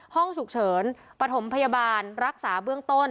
ห้องฉุกเฉินปฐมพยาบาลรักษาเบื้องต้น